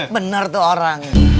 bener tuh orangnya